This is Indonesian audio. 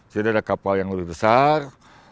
jadi ada kapal yang lebih besar